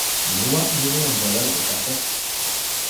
ނުވަ މިލިއަން ޑޮލަރުގެ ކަޓެއް؟